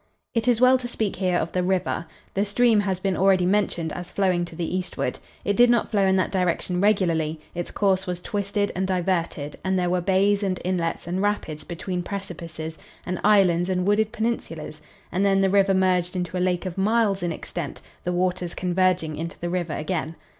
It is well to speak here of the river. The stream has been already mentioned as flowing to the eastward. It did not flow in that direction regularly; its course was twisted and diverted, and there were bays and inlets and rapids between precipices, and islands and wooded peninsulas, and then the river merged into a lake of miles in extent, the waters converging into the river again.